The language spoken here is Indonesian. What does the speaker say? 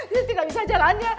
dia tidak bisa jalannya